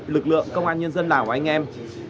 lực lượng công an nhân dân lào anh em